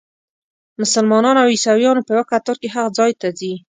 مسلمانان او عیسویان په یوه کتار کې هغه ځای ته ځي.